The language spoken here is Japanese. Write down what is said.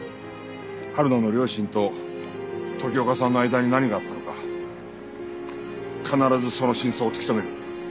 はるなの両親と時岡さんの間に何があったのか必ずその真相を突き止める。